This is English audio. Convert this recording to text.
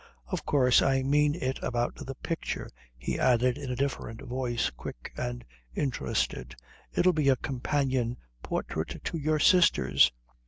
"Of course I mean it about the picture," he added in a different voice, quick and interested. "It'll be a companion portrait to your sister's."